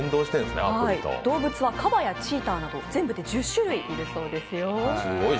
動物はかばやチーターなど全部で１０種類いるそうですよ。